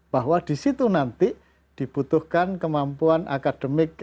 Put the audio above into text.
bahwa di situ nanti dibutuhkan kemampuan agar dia bisa menanam